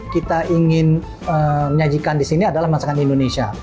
kita ingin menyajikan di sini adalah masakan indonesia